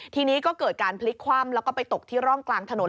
ทีนี้ก็เกิดการพลิกคว่ำแล้วก็ไปตกที่ร่องกลางถนน